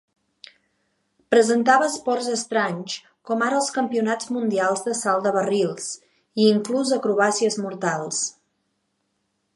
Presentava esports estranys com ara els campionats mundials de salt de barrils, i inclús acrobàcies mortals.